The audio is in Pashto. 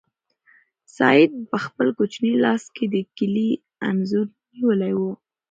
سعید په خپل کوچني لاس کې د کلي انځور نیولی و.